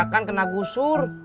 terus kontrakan kena gusur